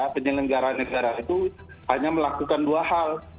penyelenggara negara itu hanya melakukan dua hal